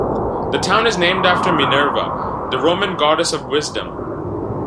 The town is named after Minerva, the Roman goddess of wisdom.